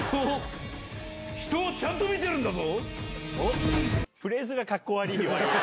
「人をちゃんと見てるんだぞ」。